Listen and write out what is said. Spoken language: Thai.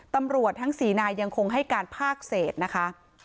ตำรวจสพแม่กาลทั้งสี่นายเรายังคงให้การภาคเศษนะคะ